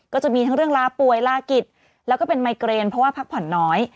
ก็จะมีทั้งเรื่องลาป่วยลากิจแล้วก็เป็นไมเกรนเพราะว่าพักผ่อนน้อย